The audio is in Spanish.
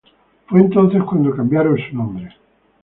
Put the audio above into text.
Fue entonces cuando cambiaron su nombre.